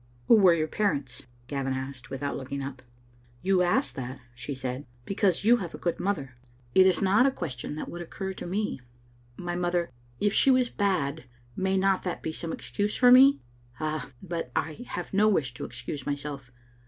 "Who were your parents?" Gavin asked, without looking up. "You ask that," she said, "because you have a good Digitized by VjOOQ IC 346 JSbc Xfttle AiniBtet* mother. It is not a question that would occur to me. My mother — If she was bad, may not that be some excuse for me? Ah, but I have no wish to excuse my self.